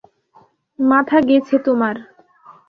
মাথা গেছে তোমার।